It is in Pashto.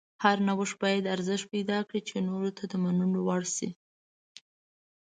هر نوښت باید ارزښت پیدا کړي چې نورو ته د منلو وړ شي.